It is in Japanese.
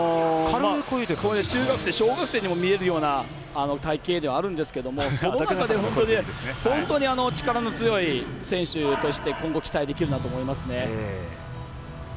中学生、小学生にも見えるような体形ではあるんですけれどもその中でも力の強い選手として今後期待できるなと思いますね。